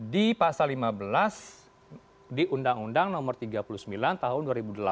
di pasal lima belas di undang undang nomor tiga puluh sembilan tahun dua ribu delapan